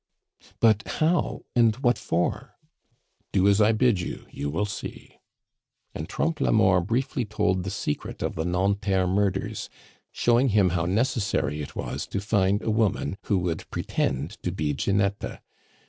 "But how, and what for?" "Do as I bid you; you will see." And Trompe la Mort briefly told the secret of the Nanterre murders, showing him how necessary it was to find a woman who would pretend to be Ginetta.